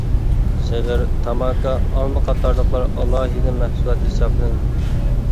زىغىر، تاماكا، ئالما قاتارلىقلار ئالاھىدە مەھسۇلات ھېسابلىنىدۇ.